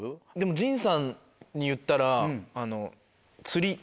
陣さんに言ったら。